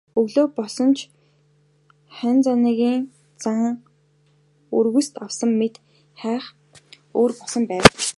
Өглөө болсон чинь Хайнзангийн зан өргөс авсан мэт хахь өөр болсон байв.